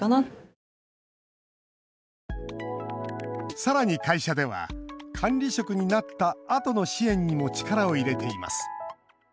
さらに会社では管理職になったあとの支援にも力を入れています。